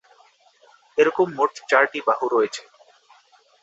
এরকম মোট চারটি বাহু রয়েছে।